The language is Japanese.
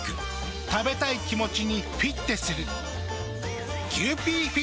食べたい気持ちにフィッテする。